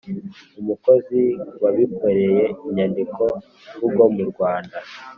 Umukozi wabikoreye inyandiko-mvugo mu Rwanda